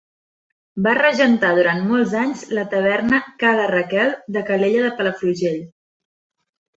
Va regentar durant molts anys la taverna Ca la Raquel de Calella de Palafrugell.